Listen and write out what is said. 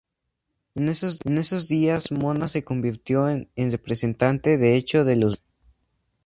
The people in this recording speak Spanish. En esos días Mona se convirtió en representante de hecho de Los Beatles.